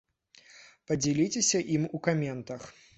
Падзяліцеся ім у каментах!